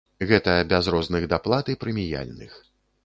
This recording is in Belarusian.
Гэта без розных даплат і прэміяльных.